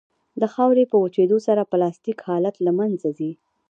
د خاورې په وچېدو سره پلاستیک حالت له منځه ځي